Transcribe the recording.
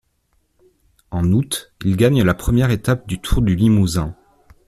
En août, il gagne la première étape du Tour du Limousin.